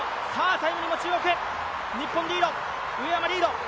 タイムにも注目、日本リード、上山リード。